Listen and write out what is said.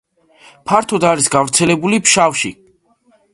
ფართოდ არის გავრცელებული ფშავში.